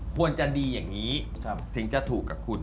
ควรจะดีอย่างนี้ถึงจะถูกกับคุณ